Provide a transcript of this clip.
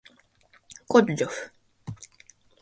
こ ｄ じょ ｆ